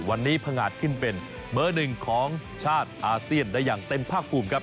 วันนี้พงาดขึ้นเป็นเบอร์หนึ่งของชาติอาเซียนได้อย่างเต็มภาคภูมิครับ